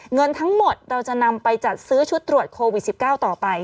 เงินทั้งหมดเราจะนำไปจัดซื้อชุดตรวจโควิด๑๙ต่อไป